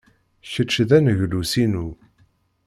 Kečč d aneglus-inu.